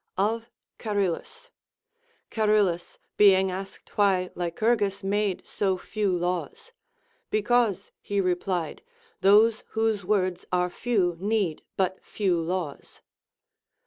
Of Charillus, Charillus being asked why Lycurgus made so few laws ; Because, he replied, those Λvhose words are few need but few laws.